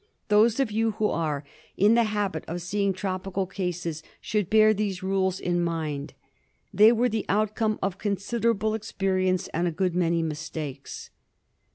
Those of you who are in the habit of seeing tropical cases should bear these rules in mind ; they were the outcome of considerable experience and of a good many mistakes.